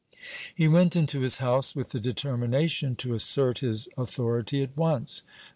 He went into his house with the determination to assert his authority at once.